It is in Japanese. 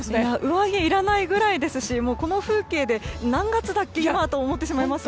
上着いらないぐらいですしこの風景で何月だっけ？と思ってしまいました。